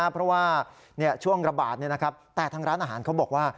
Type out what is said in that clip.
เพราะว่าช่วงระบาดแต่ทางร้านอาหารเขาบอกว่า